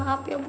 selesai ya bu